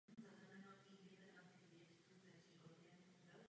Václav Havel za to sklidil veliký potlesk.